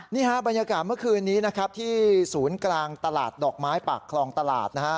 นี่ฮะบรรยากาศเมื่อคืนนี้ที่ศูนย์กลางตลาดดอกไม้ปากคลองตลาด